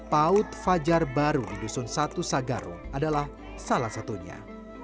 paut fajar baru di dusun satu sagaru adalah salah satunya